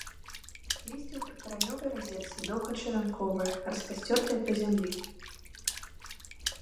Лісце ў прыкаранёвай разетцы, доўгачаранковае, распасцёртае па зямлі.